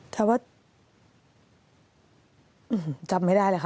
แต่ว่าจำไม่ได้เลยค่ะ